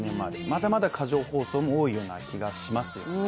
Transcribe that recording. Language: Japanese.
まだまだ過剰包装も多いような気もしますよね。